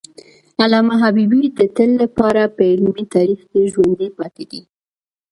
علامه حبیبي د تل لپاره په علمي تاریخ کې ژوندی پاتي دی.